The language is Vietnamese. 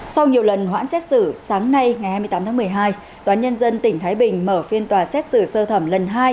sau nhiều lần hoãn xét xử sáng nay ngày hai mươi tám tháng một mươi hai tòa nhân dân tỉnh thái bình mở phiên tòa xét xử sơ thẩm lần hai